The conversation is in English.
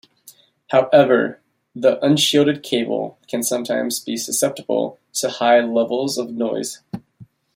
However, the unshielded cable can sometimes be susceptible to high levels of noise.